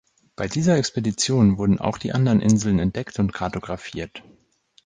Bei dieser Expedition wurden auch die anderen Inseln entdeckt und kartographiert.